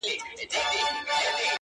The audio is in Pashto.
گراني شاعري ستا په خوږ ږغ كي،